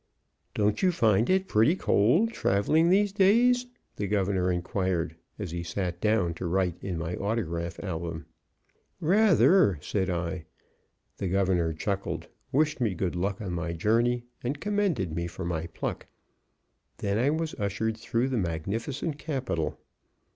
"Don't you find it pretty cold traveling these days?" the Governor inquired, as he sat down to write in my autograph album. "Rather," said I. The Governor chuckled, wished me good luck on my journey and commended me for my pluck. Then I was ushered through the magnificent capitol.